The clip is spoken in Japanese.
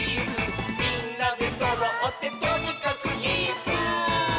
「みんなでそろってとにかくイス！」